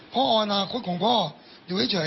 อนาคตของพ่ออยู่เฉย